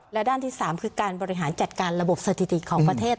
และด้านที่๓คือการบริหารจัดการระบบสถิติของประเทศ